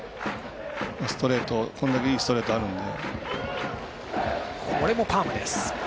ストレート、これだけいいストレートがあるので。